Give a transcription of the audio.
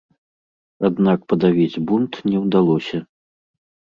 Аднак падавіць бунт не ўдалося.